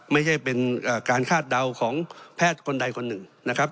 ไม่ใช่เป็นการคาดเดาของแพทย์คนใดคนหนึ่งนะครับ